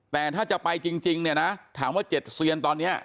แต่ถ้าจะไปจริงเนี่ยนะถามว่า๗เซียนตอนนี้